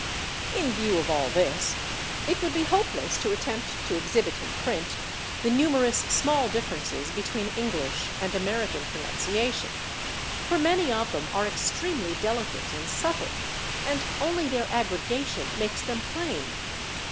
In view of all this it would be hopeless to attempt to exhibit in print the numerous small differences between English and American pronunciation, for many of them are extremely delicate and subtle, and only their aggregation makes them plain.